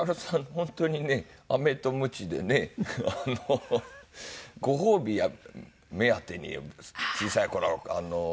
本当にねアメとムチでねご褒美目当てに小さい頃やるんですね。